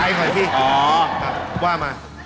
ไอข่อนที่ว่ามา